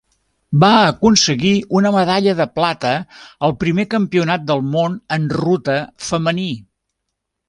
Va aconseguir una medalla de plata al primer Campionat del món en ruta femení.